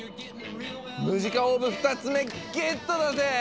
ムジカオーブ２つ目ゲットだぜ！